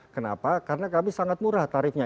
kenapa karena kami sangat murah tarifnya